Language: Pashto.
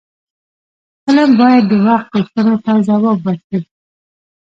فلم باید د وخت غوښتنو ته ځواب ورکړي